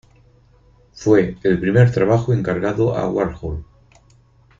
Fue el primer trabajo encargado a Warhol.